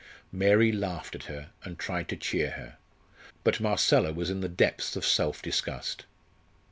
Mary laughed at her, and tried to cheer her. But Marcella was in the depths of self disgust.